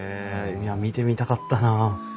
いや見てみたかったなあ。